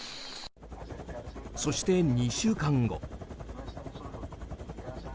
そして、２週間後。